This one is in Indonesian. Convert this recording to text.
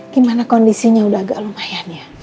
gimana kondisinya udah agak lumayan ya